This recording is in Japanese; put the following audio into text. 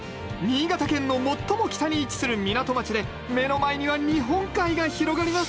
新潟県の最も北に位置する港町で目の前には日本海が広がります